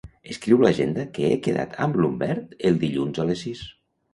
Escriu l'agenda que he quedat amb l'Humbert el dilluns a les sis.